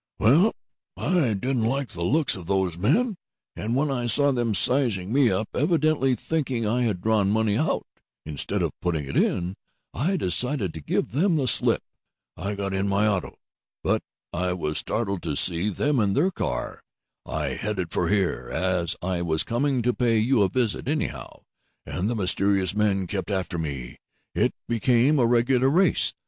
"Well, I didn't like the looks of these men, and when I saw them sizing me up, evidently thinking I had drawn money out instead of putting it in, I decided to give them the slip. I got in my auto, but I was startled to see them get in their car. I headed for here, as I was coming to pay you a visit, anyhow, and the mysterious men kept after me. It became a regular race.